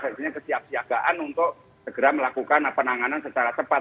jadi ini kesiap siagaan untuk negara melakukan penanganan secara cepat